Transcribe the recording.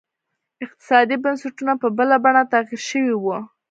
اقتصادي بنسټونه په بله بڼه تغیر شوي وو.